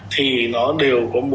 thì nó đều có một lúc